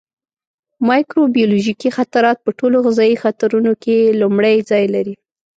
مایکروبیولوژیکي خطرات په ټولو غذایي خطرونو کې لومړی ځای لري.